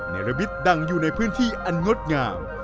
เนรวิตดังอยู่ธรรมชาติในพื้นที่อันงดงาม